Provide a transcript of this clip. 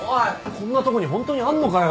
こんなとこにホントにあんのかよ！？